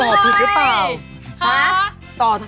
ผิดหรือเปล่า